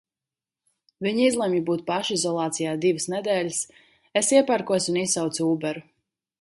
Viņa izlemj būt pašizolācijā divas nedēļas. Es iepērkos un izsaucu ūberu.